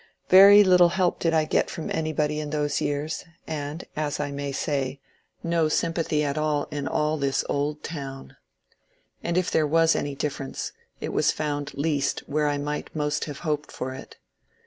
Very little help did I get from anybody in those years, and, as I may say, no sympathy at all in all this old town. And if there was any difference, it was found least where I might most have hoped for it.